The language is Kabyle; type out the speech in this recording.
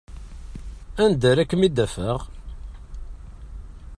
Anda ara kem-id-afeɣ?